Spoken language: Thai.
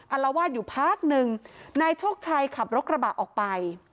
อารวาสอยู่พักหนึ่งนายโชคชัยขับรถกระบะออกไป